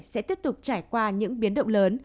sẽ tiếp tục trải qua những biến động lớn